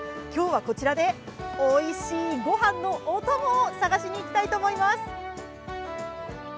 今日はこちらでおいしい御飯のお供を探しにいきたいと思います。